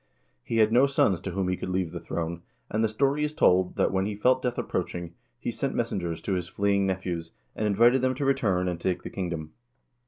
He had no sons to whom he could leave the throne, and the story is told that, when he felt death approaching, he sent messengers to his fleeing nephews, and invited them to return and take the kingdom.